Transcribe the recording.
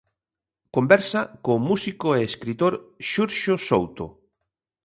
Conversa co músico e escritor Xurxo Souto.